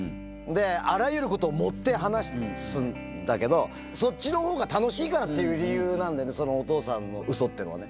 あらゆることを盛って話すんだけど、そっちのほうが楽しいからっていう理由なんだよね、そのお父さんのうそっていうのはね。